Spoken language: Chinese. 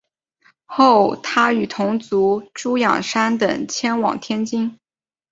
后他与同族朱仰山等迁往天津。